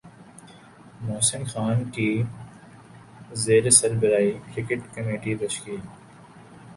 محسن خان کی زیر سربراہی کرکٹ کمیٹی تشکیل